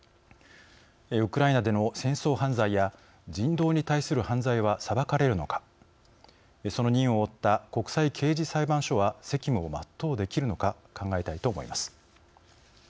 ウクライナでの戦争犯罪や人道に対する犯罪は裁かれるのかその任務を負った国際刑事裁判所は責務を全うできるのか考えたいと思います。